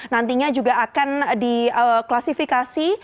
nantinya juga akan diklasifikasi